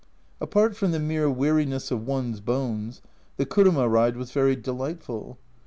Apart from the mere weariness of one's bones, the kuruma ride was very delightful.